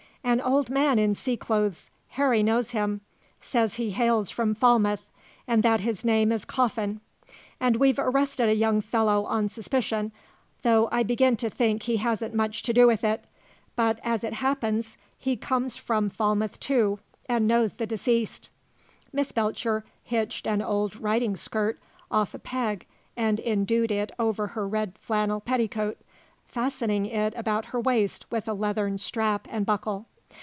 "An old man in sea clothes. Harry knows him; says he hails from Falmouth, and that his name is Coffin. And we've arrested a young fellow on suspicion, though I begin to think he hasn't much to do with it; but, as it happens, he comes from Falmouth too, and knows the deceased." Miss Belcher hitched an old riding skirt off a peg and indued it over her red flannel petticoat, fastening it about her waist with a leathern strap and buckle.